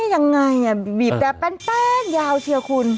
ยังไงบีบแต่แป้นยาวเชียวคุณ